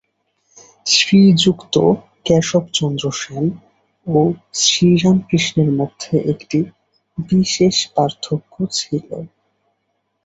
শ্রীযুক্ত কেশবচন্দ্র সেন ও শ্রীরামকৃষ্ণের মধ্যে একটি বিশেষ পার্থক্য ছিল।